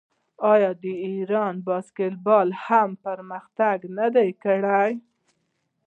آیا د ایران باسکیټبال هم پرمختګ نه دی کړی؟